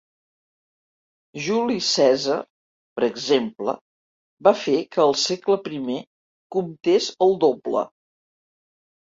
Juli Cèsar, per exemple, va fer que el segle I comptés el doble.